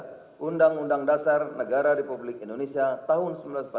pasal tiga puluh tiga undang undang dasar negara republik indonesia tahun seribu sembilan ratus empat puluh lima